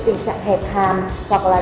tình trạng hẹp hàm hoặc là